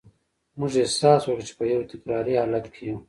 موږ احساس وکړ چې په یو تکراري حالت کې یو